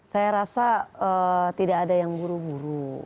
saya rasa tidak ada yang buru buru